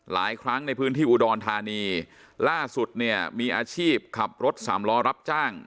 หลายครั้งในพื้นที่อุดรธานีล่าสุดเนี่ยมีอาชีพขับรถสามล้อรับจ้าง